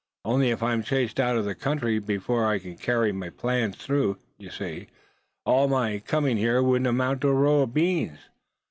"Only, if I'm chased out of the country before I can carry my plans through, you see, all my coming here wouldn't amount to a row of beans.